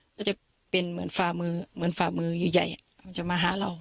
ก็จะเป็นเหมือนฝ่ามือใหญ่จะมาหาเรา